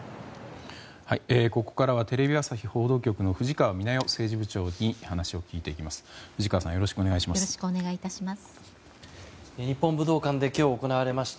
ここからはテレビ朝日報道局の藤川みな代政治部長に話を聞いていきます。